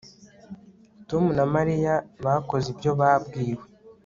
Tom na Mariya bakoze ibyo babwiwe